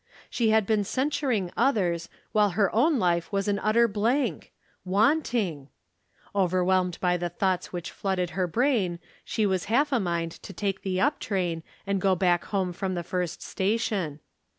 She had been censur ing others, while her own life was an utter blank — ^wanting !, Overwhelmed by the thoughts which flooded her brain, she was half a mind to take the up train and go back home from the first station.